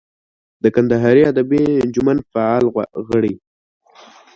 د کندهاري ادبي انجمن فعال غړی.